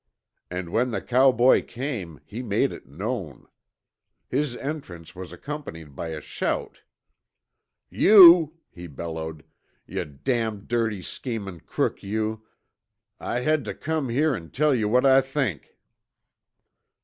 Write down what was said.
And when the cowboy came he made it known. His entrance was accompanied by a shout. "You " he bellowed, "yuh damned dirty schemin' crook yuh, I had tuh come here an' tell yuh what I think!"